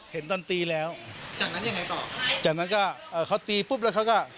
เห็นตอนตีแล้วจากนั้นยังไงต่อจากนั้นก็เอ่อเขาตีปุ๊บแล้วเขาก็